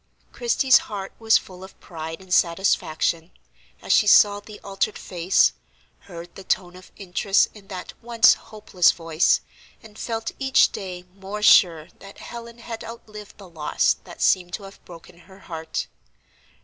Christie's heart was full of pride and satisfaction, as she saw the altered face, heard the tone of interest in that once hopeless voice, and felt each day more sure that Helen had outlived the loss that seemed to have broken her heart.